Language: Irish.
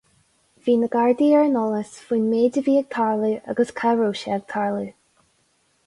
Bhí na Gardaí ar an eolas faoin méid a bhí ag tarlú, agus cá raibh sé ag tarlú.